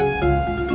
bapak juga begitu